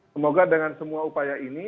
semoga dengan semua upaya ini